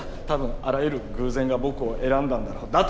多分あらゆる偶然が僕を選んだんだろう。